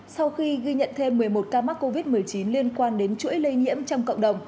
sau khi ghi nhận thêm một mươi một ca mắc covid một mươi chín liên quan đến chuỗi lây nhiễm trong cộng đồng